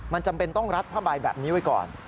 มันจำเป็นต้องรัดผ้าใบแบบนี้ไว้ก่อน